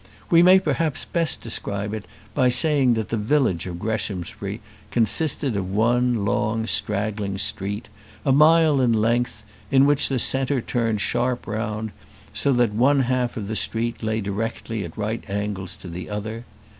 We may perhaps best describe it by saying that the village of Greshamsbury consisted of one long, straggling street, a mile in length, which in the centre turned sharp round, so that one half of the street lay directly at right angles to the other.